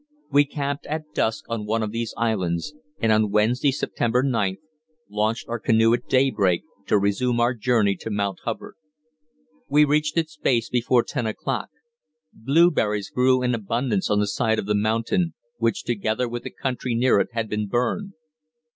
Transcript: We camped at dusk on one of these islands, and on Wednesday, September 9th, launched our canoe at daybreak, to resume our journey to Mount Hubbard. We reached its base before ten o'clock. Blueberries grew in abundance on the side of the mountain, which, together with the country near it, had been burned.